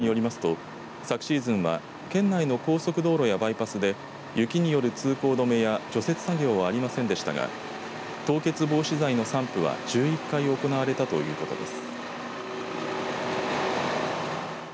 西日本高速道路によりますと昨シーズンは県内の高速道路やバイパスで雪による通行止めや除雪作業はありませんでしたが凍結防止剤の散布は１１回行われたということです。